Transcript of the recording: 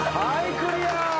クリア。